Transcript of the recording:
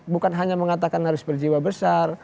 bukan hanya mengatakan harus berjiwa besar